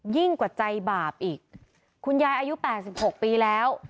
ยิ่งกว่าใจบาปอีกคุณยายอายุ๘๖ปีแล้ว